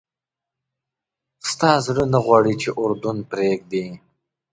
ستا زړه نه غواړي چې اردن پرېږدې.